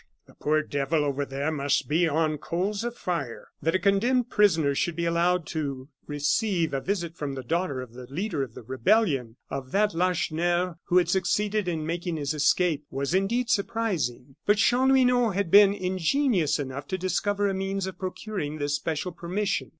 The poor devil over there must be on coals of fire." That a condemned prisoner should be allowed to receive a visit from the daughter of the leader of the rebellion of that Lacheneur who had succeeded in making his escape was indeed surprising. But Chanlouineau had been ingenious enough to discover a means of procuring this special permission.